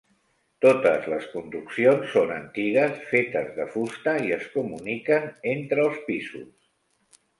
Totes les conduccions són antigues, fetes de fusta, i es comuniquen entre els pisos.